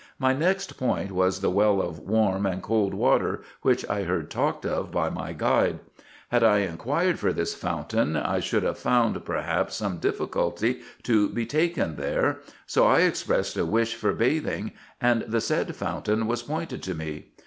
My next point was the well of warm and cold water which I heard talked of by my guide. Had I inquired for this fountain, I should have found perhaps some difficulty to be taken there ; so I expressed a wish for bathing, and the said fountain was pointed to me.